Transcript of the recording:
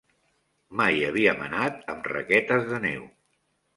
Mai havíem anat amb raquetes de neu.